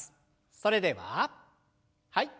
それでははい。